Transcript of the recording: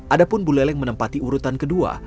adapun buleleng menempati urutan kedua